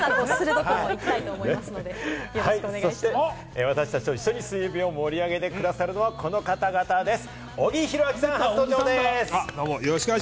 そして私達と一緒に水曜日を盛り上げて下さるのはこの方々です。